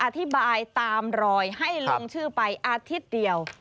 อธิบายตามรอยให้ลงชื่อไปอาทิตย์เดียว